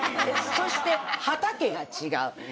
そして畑が違う。